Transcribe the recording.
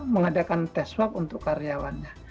mengadakan tes swab untuk karyawannya